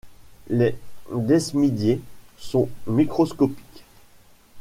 Les Desmidiées sont microscopiques.